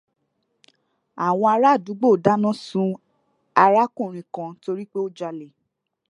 Àwọn ará àdúgbò dáná sun ará kùnrin kan torí pé ó jalè.